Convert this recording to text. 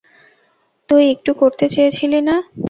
তুই একটু করতে চেয়েছিলি না।